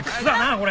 これ。